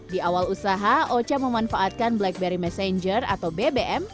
di awal usaha ocha memanfaatkan blackberry messenger atau bbm